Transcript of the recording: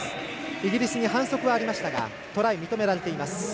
イギリスに反則はありましたがトライ、認められています。